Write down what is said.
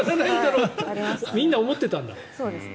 みんな思ってたんだ。